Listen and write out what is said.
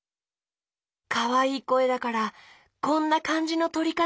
かわいいこえだからこんなかんじのとりかな？